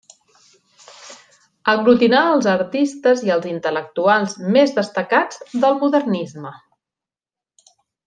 Aglutinà els artistes i els intel·lectuals més destacats del modernisme.